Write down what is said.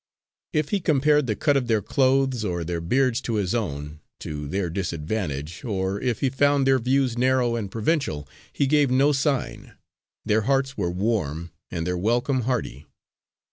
If he compared the cut of their clothes or their beards to his own, to their disadvantage, or if he found their views narrow and provincial, he gave no sign their hearts were warm and their welcome hearty.